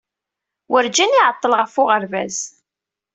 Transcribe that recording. Werǧin iɛeḍḍel ɣef uɣerbaz.